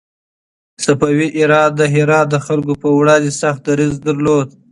صفوي ایران د هرات د خلکو پر وړاندې سخت دريځ درلود.